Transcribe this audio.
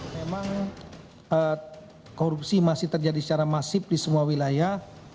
memang korupsi masih terjadi secara masif di semua wilayah